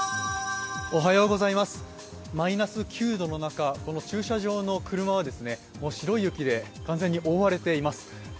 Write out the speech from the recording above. マイナス９度の中この駐車場の車は白い雪で完全に覆われています。